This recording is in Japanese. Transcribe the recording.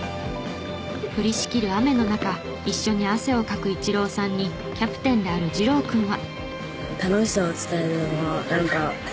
降りしきる雨の中一緒に汗をかくイチローさんにキャプテンである仁朗君は。